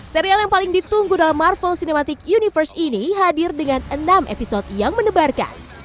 serial yang paling ditunggu dalam marvel cinematic universe ini hadir dengan enam episode yang mendebarkan